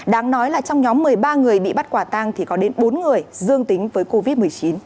đáng nói là trong nhóm một mươi ba người bị bắt quả tang thì có đến bốn người dương tính với covid một mươi chín